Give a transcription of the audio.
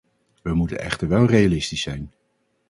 Wij moeten echter wel realistisch zijn.